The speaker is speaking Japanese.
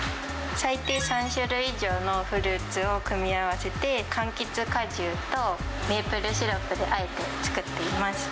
最低３種類以上のフルーツを組み合わせて、かんきつ果汁とメープルシロップであえて作っています。